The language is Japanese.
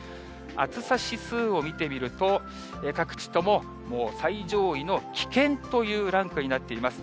暑さ指数を見てみると、各地とももう最上位の危険というランクになっています。